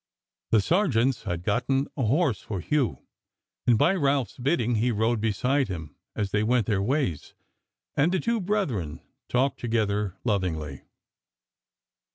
The sergeants had gotten a horse for Hugh, and by Ralph's bidding he rode beside him as they went their ways, and the two brethren talked together lovingly.